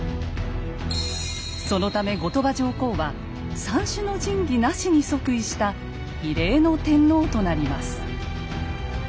そのため後鳥羽上皇は三種の神器なしに即位した「異例の天皇」となります。